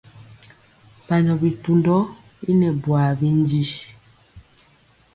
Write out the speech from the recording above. Mpanjɔ bitundɔ i nɛ bwaa bindi.